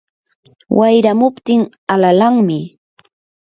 wayramuptin alalanmi.